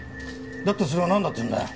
だったらそれがなんだっていうんだよ。